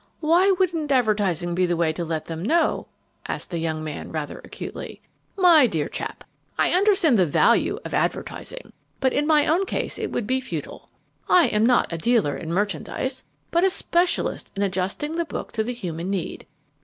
"Why wouldn't advertising be the way to let them know?" asked the young man, rather acutely. "My dear chap, I understand the value of advertising. But in my own case it would be futile. I am not a dealer in merchandise but a specialist in adjusting the book to the human need.